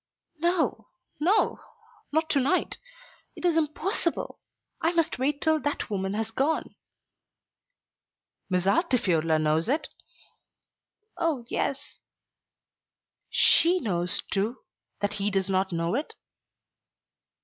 "No, no. Not to night. It is impossible. I must wait till that woman has gone." "Miss Altifiorla knows it?" "Oh, yes!" "She knows, too, that he does not know it?"